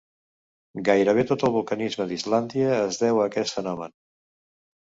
Gairebé tot el vulcanisme d'Islàndia es deu a aquest fenomen.